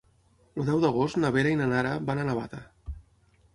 El deu d'agost na Vera i na Nara van a Navata.